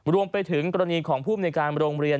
รวมไปถึงกรณีของภูมิในการโรงเรียน